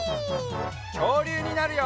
きょうりゅうになるよ！